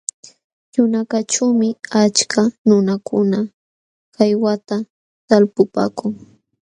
Yunakaćhuumi achka nunakuna kaywata talpupaakun.